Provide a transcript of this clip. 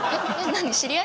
何知り合い？